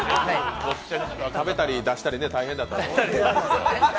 食べたり出したり大変だった。